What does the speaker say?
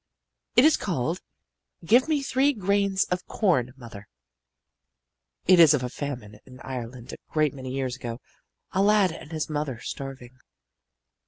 "It is called, 'Give Me Three Grains of Corn, Mother.' It is of a famine in Ireland a great many years ago a lad and his mother starving."